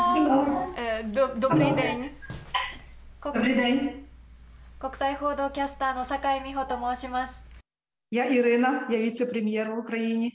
国際報道キャスターの酒井美帆と申します。